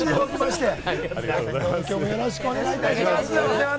きょうもよろしくお願いいたします。